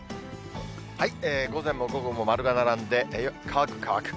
午前も午後も丸が並んで、よく乾く、乾く。